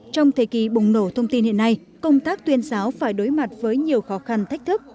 trong thời kỳ bùng nổ thông tin hiện nay công tác tuyên giáo phải đối mặt với nhiều khó khăn thách thức